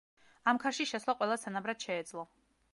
ამქარში შესვლა ყველას თანაბრად შეეძლო.